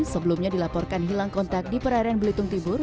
sebelumnya dilaporkan hilang kontak di perairan belitung timur